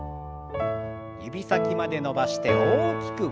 指先まで伸ばして大きく胸反らし。